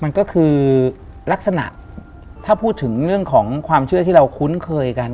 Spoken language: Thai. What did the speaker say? มันก็คือลักษณะถ้าพูดถึงเรื่องของความเชื่อที่เราคุ้นเคยกัน